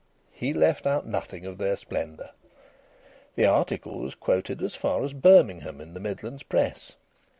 He left out nothing of their splendour. The article was quoted as far as Birmingham in the Midlands Press.